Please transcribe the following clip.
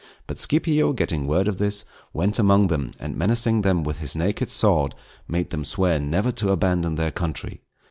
But Scipio, getting word of this, went among them, and menacing them with his naked sword, made them swear never to abandon their country.